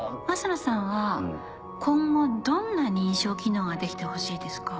升野さんは今後どんな認証機能が出来てほしいですか？